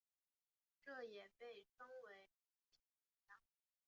这也被称为整体油箱。